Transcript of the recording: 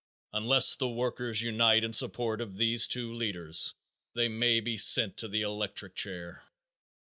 Unless the workers unite in support of these two leaders they may be sent to the electric chair.